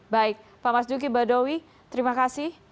baik pak mas duki badowi terima kasih